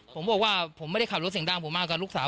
ผมบอกว่าผมไม่ได้ขับรถเสียงดังผมมากับลูกสาว